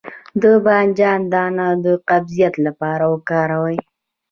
د بانجان دانه د قبضیت لپاره وکاروئ